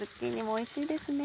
おいしいですね。